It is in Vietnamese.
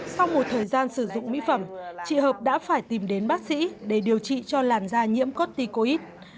sau một thời gian sử dụng mỹ phẩm chị hợp đã phải tìm đến bác sĩ để điều trị cho làn da nhiễm cotticoid